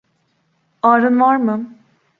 Ağrın var mı?